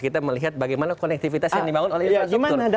kita melihat bagaimana konektivitas yang dibangun oleh infrastruktur